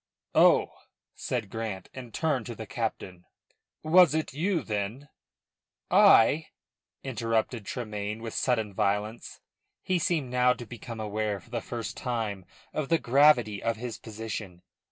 "Oh!" said Grant, and turned to the captain. "Was it you then " "I?" interrupted Tremayne with sudden violence. He seemed now to become aware for the first time of the gravity of his position.